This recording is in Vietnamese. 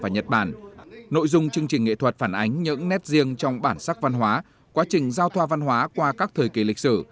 nhật bản nội dung chương trình nghệ thuật phản ánh những nét riêng trong bản sắc văn hóa quá trình giao thoa văn hóa qua các thời kỳ lịch sử